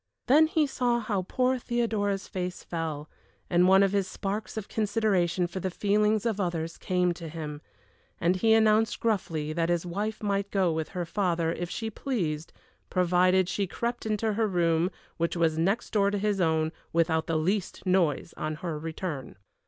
Then he saw how poor Theodora's face fell, and one of his sparks of consideration for the feelings of others came to him, and he announced gruffly that his wife might go with her father, if she pleased, provided she crept into her room, which was next door to his own, without the least noise on her return.